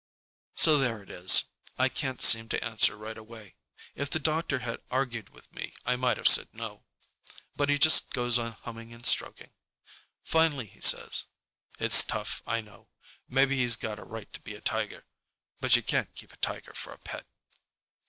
So there it is. I can't seem to answer right away. If the doctor had argued with me, I might have said No. But he just goes on humming and stroking. Finally he says, "It's tough, I know. Maybe he's got a right to be a tiger. But you can't keep a tiger for a pet."